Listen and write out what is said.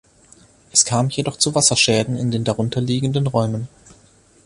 Es kam jedoch zu Wasserschäden in den darunter liegenden Räumen.